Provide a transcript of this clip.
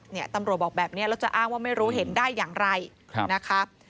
เนี่ยตำรวจบอกแบบนี้แล้วจะอ้างว่าไม่รู้เห็นได้อย่างไรนะคะ